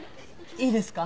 いいですか？